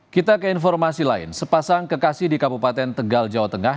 kita ke informasi lain sepasang kekasih di kabupaten tegal jawa tengah